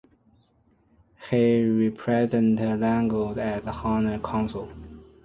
He represents Luxembourg as honorary consul.